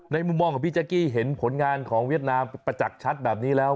มุมมองของพี่แจ๊กกี้เห็นผลงานของเวียดนามประจักษ์ชัดแบบนี้แล้ว